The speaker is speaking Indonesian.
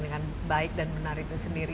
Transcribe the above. dengan baik dan benar itu sendiri